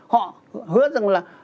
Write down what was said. họ hứa rằng là